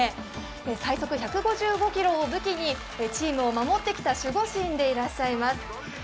最速１５５キロを武器にチームを守ってきた守護神でいらっしゃいます。